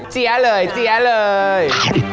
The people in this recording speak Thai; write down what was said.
เจี๊ยะเลยเจี๊ยะเลย